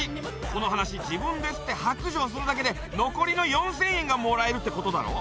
この話自分で振って白状するだけで残りの４０００円がもらえるってことだろ？